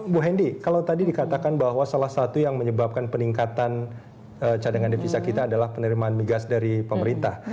bu hendy kalau tadi dikatakan bahwa salah satu yang menyebabkan peningkatan cadangan devisa kita adalah penerimaan migas dari pemerintah